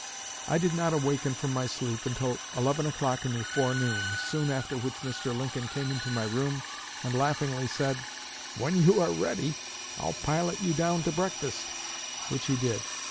I did not awaken from my sleep until eleven o'clock in the forenoon, soon after which Mr. Lincoln came into my room, and laughingly said, 'When you are ready, I'll pilot you down to breakfast,' which he did.